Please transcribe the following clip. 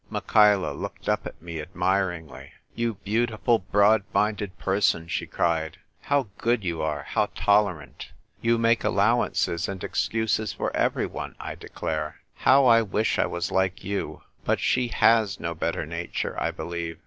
Michaela looked up at me admiringly. "You beautiful, broad minded person," she cried ; "how good you are, how tolerant! You make allowances and excuses for everyone, I declare ! How I wish I was like you ! But she has no better nature, I believe.